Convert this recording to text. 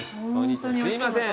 すいません。